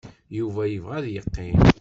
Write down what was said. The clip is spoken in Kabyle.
Yuba yebɣa ad yeqqim.